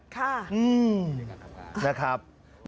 ค่ะนะครับ